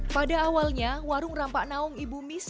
pada awalnya warung rampak naung ibu miss